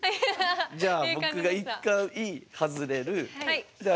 じゃあ僕が１回外れる。